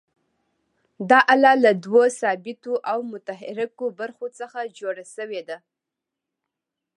دا آله له دوو ثابتو او متحرکو برخو څخه جوړه شوې ده.